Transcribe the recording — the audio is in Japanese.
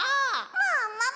ももも！